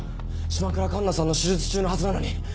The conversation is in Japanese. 島倉栞奈さんの手術中のはずなのに。